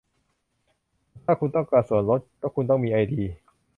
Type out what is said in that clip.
ถ้าคุณต้องการส่วนลด คุณต้องมีไอดี